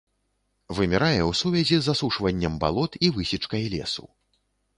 Вымірае ў сувязі з асушваннем балот і высечкай лесу.